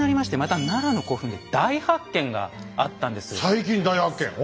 最近大発見。